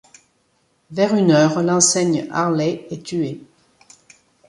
Vers une heure, l'enseigne Arley est tué.